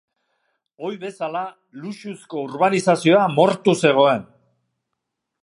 Ohi bezala, luxuzko urbanizazioa mortu zegoen.